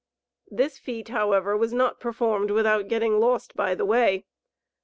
This feat, however, was not performed without getting lost by the way.